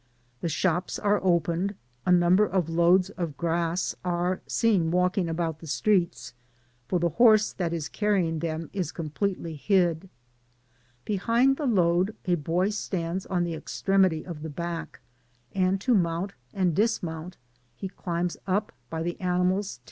The shops are opened ; a number of loads of grass are seen walking about the streets, for the horse that is canning them is completely hid. Behind the load a boy stands on the extremity of the back ; and to mount and dismount he climbs up by the animaPs Digitized byGoogk MENDOZA.